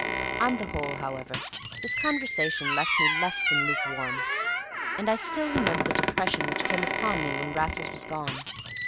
On the whole, however, this conversation left me less than lukewarm, and I still remember the depression which came upon me when Raffles was gone.